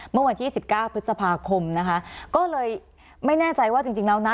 เมื่อวันที่สิบเก้าพฤษภาคมนะคะก็เลยไม่แน่ใจว่าจริงแล้วนะ